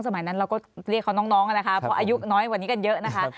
สมัยนั้นเราก็เรียกเขาน้องนะคะเพราะอายุน้อยกว่านี้กันเยอะนะคะ